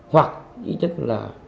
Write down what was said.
hoặc ý chất là